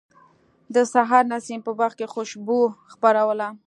د سحر نسیم په باغ کې خوشبو خپروله.